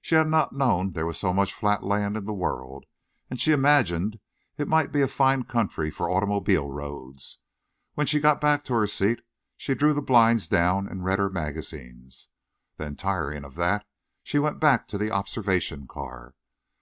She had not known there was so much flat land in the world, and she imagined it might be a fine country for automobile roads. When she got back to her seat she drew the blinds down and read her magazines. Then tiring of that, she went back to the observation car.